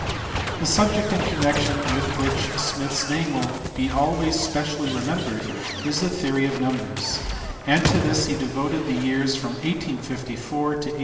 The subject in connection with which Smith s name will be always specially remembered is the theory of numbers, and to this he devoted the years from 1854 to 1864.